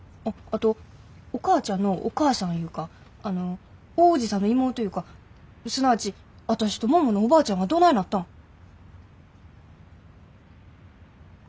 あっあとお母ちゃんのお母さんいうかあの大伯父さんの妹いうかすなわち私と桃のおばあちゃんはどないなったん？